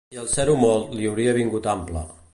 I el ser-ho molt li hauria vingut ample